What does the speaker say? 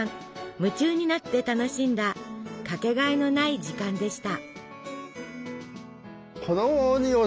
夢中になって楽しんだ掛けがえのない時間でした。